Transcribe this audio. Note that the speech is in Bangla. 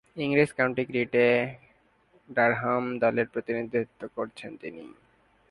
ইংরেজ কাউন্টি ক্রিকেটে ডারহাম দলের প্রতিনিধিত্ব করছেন তিনি।